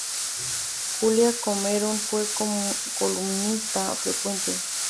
Julia Cameron fue columnista frecuente.